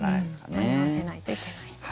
間に合わせないといけない。